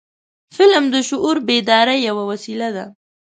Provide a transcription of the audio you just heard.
فلم د شعور بیدارۍ یو وسیله ده